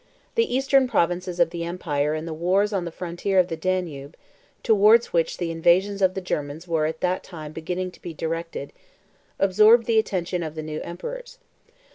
The eastern provinces of the empire and the wars on the frontier of the Danube, towards which the invasions of the Germans were at that time beginning to be directed, absorbed the attention of the new emperors.